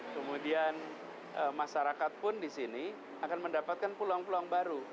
kemudian masyarakat pun di sini akan mendapatkan peluang peluang baru